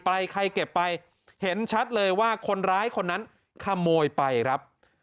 ใครเก็บไปเห็นชัดเลยว่าคนร้ายคนนั้นขโมยไปครับ